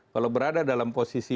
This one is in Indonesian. kalau berada dalam posisi